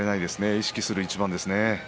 意識する一番ですね。